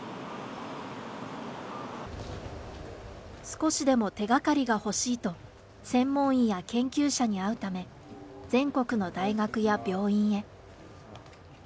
少しでも手がかりが欲しいと、専門医や研究者に会うため、全国の大学や病院へ。